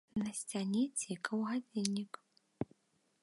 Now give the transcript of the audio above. На сцяне цікаў гадзіннік.